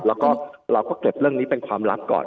แล้วก็เราก็เก็บเรื่องนี้เป็นความลับก่อน